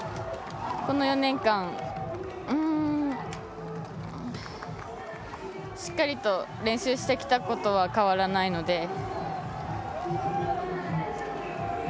この４年間しっかりと練習してきたことは変わらないので。